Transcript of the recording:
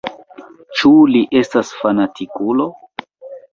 Ĉu li estas fanatikulo?